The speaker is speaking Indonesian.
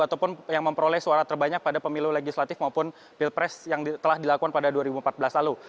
ataupun yang memperoleh suara terbanyak pada pemilu legislatif maupun pilpres yang telah dilakukan pada dua ribu empat belas lalu